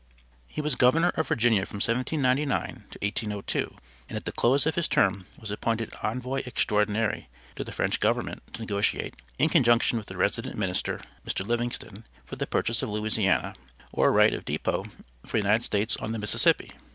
He was Governor of Virginia from 1799 to 1802 and at the close of his term was appointed Envoy Extraordinary to the French government to negotiate, in conjunction with the resident minister, Mr. Livingston, for the purchase of Louisiana, or a right of depot for the United States on the Mississippi.